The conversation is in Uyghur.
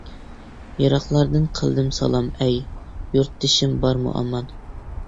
يىراقلاردىن قىلدىم سالام-ئەي، يۇرتدىشىم بارمۇ ئامان؟ !